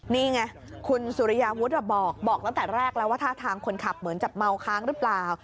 นี่ไงคุณสุริยาวุฒิบอกตั้งแต่แรกแล้วว่าท่าทางคนขับเหมือนจะเมาค้างหรือเปล่า